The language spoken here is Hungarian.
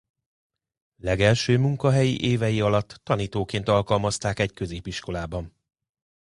Legelső munkahelyi évei alatt tanítóként alkalmazták egy középiskolában.